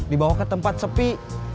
dibawa ke tempat sepi